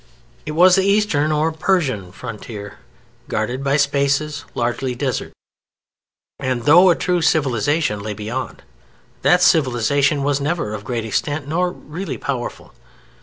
It was the Eastern or Persian frontier, guarded by spaces largely desert. And though a true civilization lay beyond, that civilization was never of great extent nor really powerful.